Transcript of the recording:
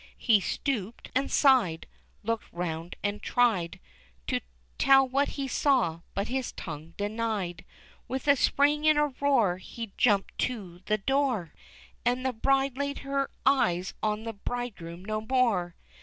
He stooped and sighed, Looked round and tried To tell what he saw, but his tongue denied: With a spring and a roar, He jumped to the door, AND THE BRIDE LAID HER EYES ON THE BRIDEGROOM NO MORE!